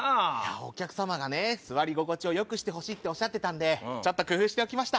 お客様が「座り心地をよくして」とおっしゃってたんでちょっと工夫しておきました。